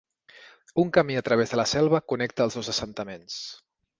Un camí a través de la selva connecta els dos assentaments.